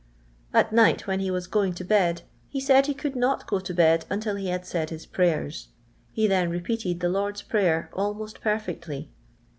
At uiglit, when In; was going to bed, he fuiid he cuiilil nut go Xii bed until he had Fiiid his prayers; he then repeated the Lord's Prnyor, almost per fectly.